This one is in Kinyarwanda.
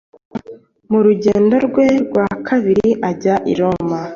Mu rugendo rwe rwa kabiri ajya i Roma,